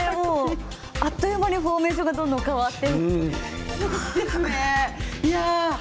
あっという間にフォーメーションがどんどん変わって。